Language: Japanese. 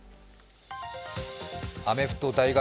アメフト大学